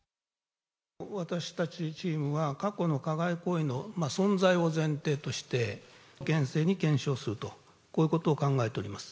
私たちのチームは、過去の加害行為の存在を前提として、厳正に検証すると、こういうことを考えております。